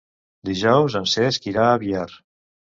Dijous en Cesc irà a Biar.